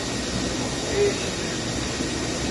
regimento